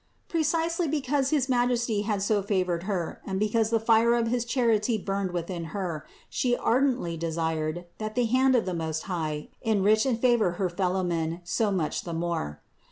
Pre cisely because his Majesty had so favored Her and be cause the fire of his charity burned within Her, She ardently desired, that the hand of the Most High enrich and favor her fellowmen so much the more.